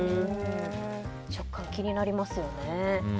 食感、気になりますよね。